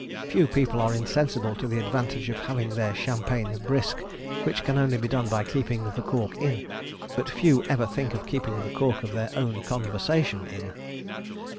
Few people are insensible to the advantage of having their champagne brisk, which can only be done by keeping the cork in; but few ever think of keeping the cork of their own conversation in.